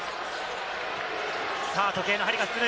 時計の針が進む。